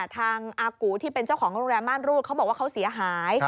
ทางอากูที่เป็นเจ้าของโรงแรมม่านรูดเขาบอกว่าเขาเสียหาย